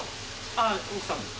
ああ奥さんです。